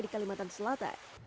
di kalimantan selatan